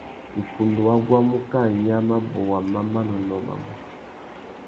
Iffundu wa guamú kā nya mabôwa má manônôh mabú.